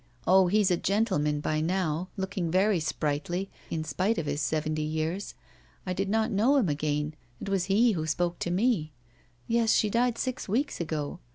Oh, he's a gentleman by now, looking very sprightly, in spite of his seventy years. I did not know him again. It was he who spoke to me. Yes, she died six weeks ago.